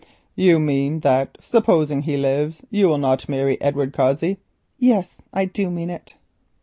"You mean that supposing he lives, you will not marry Edward Cossey." "Yes, I do mean it."